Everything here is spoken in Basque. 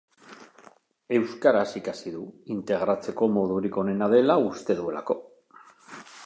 Euskaraz ikasi du, integratzeko modurik onena dela uste duelako.